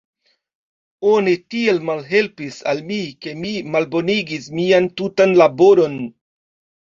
Oni tiel malhelpis al mi, ke mi malbonigis mian tutan laboron.